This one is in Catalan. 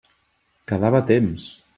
Quedava temps!